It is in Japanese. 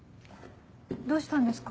どうしたんですか？